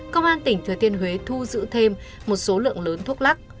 công an tỉnh thừa thiên huế thu giữ thêm một số lượng lớn thuốc lắc